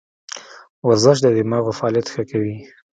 ورزش د دماغو فعالیت ښه کوي.